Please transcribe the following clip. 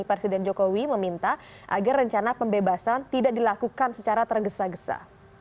presiden jokowi meminta agar rencana pembebasan tidak dilakukan secara tergesa gesa